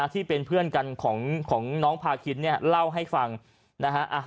ที่เป็นเพื่อนกันของน้องพาคินเนี่ยเล่าให้ฟังนะฮะ